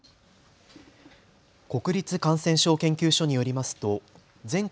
国立感染症研究所によりますと全国